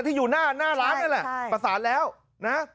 ที่อยู่หน้าร้านนั่นแหละประสานแล้วนะ